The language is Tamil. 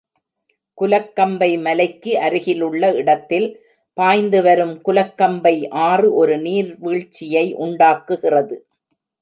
குலக்கம்பை மலைக்கு அருகிலுள்ள இடத்தில் பாய்ந்து வரும் குலக்கம்பை ஆறு ஒரு நீர்விழ்ச்சியை உண்டாக்குகிறது.